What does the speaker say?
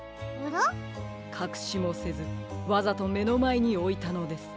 かくしもせずわざとめのまえにおいたのです。